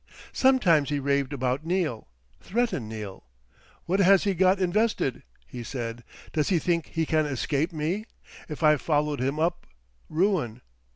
Sometimes he raved about Neal, threatened Neal. "What has he got invested?" he said. "Does he think he can escape me?... If I followed him up.... Ruin.